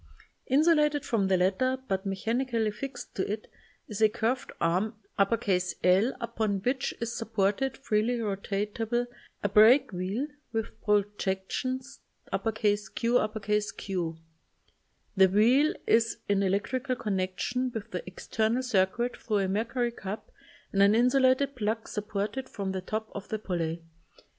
Insulated from the latter, but mechanically fixt to it, is a curved arm L upon which is sup ported, freely rotatable, a break wheel with projections QQ. The wheel is in electrical connection with the external circuit thru a mercury cup and an insulated plug sup ported from the top of the pulley.